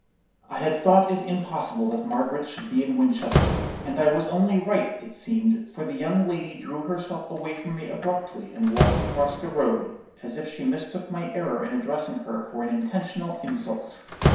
"I had thought it impossible that Margaret should be in Winchester, and I was only right, it seemed, for the young lady drew herself away from me abruptly and walked across the road, as if she mistook my error in addressing her for an intentional insult.